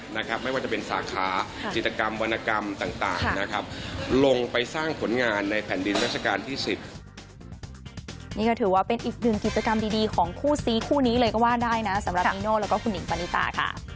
นี่ก็ถือว่าเป็นอีกหนึ่งกิจกรรมดีของคู่ซีคู่นี้เลยก็ว่าได้นะสำหรับนีโน่แล้วก็คุณหิงปณิตาค่ะ